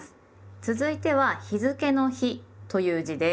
続いては日付の「日」という字です。